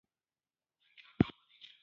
تورسرو لار کږوله.